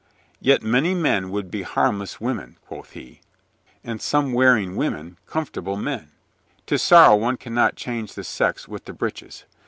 "Yet many men would be harmless women," quoth he. "And some wearing women comfortable men. 'Tis sorrow one can not change the sex with the breeches.